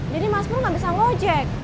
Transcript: jadi mas pur ga bisa ngojek